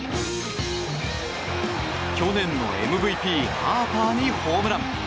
去年のＭＶＰハーパーにホームラン。